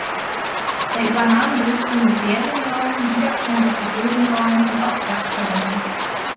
Er übernahm durchgehende Serienrollen, wiederkehrende Episodenrollen und auch Gastrollen.